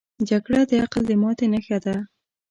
جګړه د عقل د ماتې نښه ده